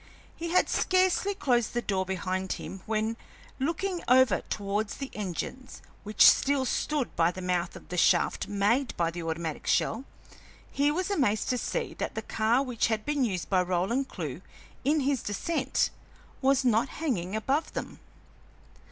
He had scarcely closed the door behind him when, looking over towards the engines which still stood by the mouth of the shaft made by the automatic shell, he was amazed to see that the car which had been used by Roland Clewe in his descent was not hanging above them.